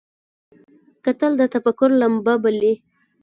کتل د تفکر لمبه بلي